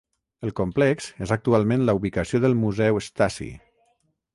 El complex és actualment la ubicació del museu Stasi.